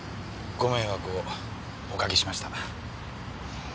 ご迷惑をおかけしました。